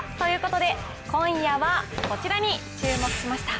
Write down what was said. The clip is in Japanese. そこでこちらに注目しました。